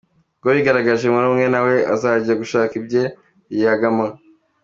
Uwo birakaje muri mwe na we azajye gushaka ibye biyagano”.